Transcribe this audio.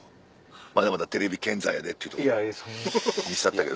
まだまだテレビ健在やでっていうとこ見せたったけど。